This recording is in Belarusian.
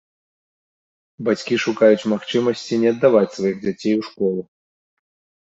Бацькі шукаюць магчымасці не аддаваць сваіх дзяцей у школу.